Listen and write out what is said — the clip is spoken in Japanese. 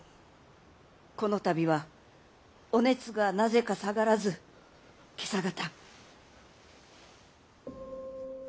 この度はお熱がなぜか下がらず今朝方。